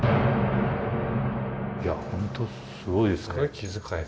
いや本当すごいですね。